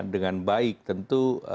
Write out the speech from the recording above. dengan baik tentu